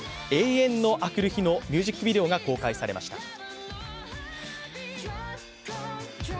「永遠のあくる日」のミュージックビデオが公開されました。